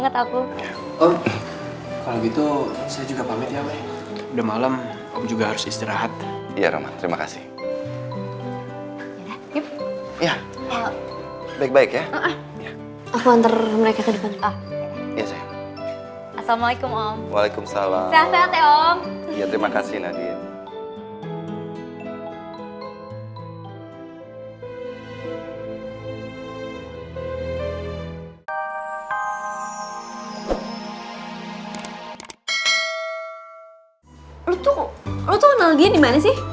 terima kasih nadia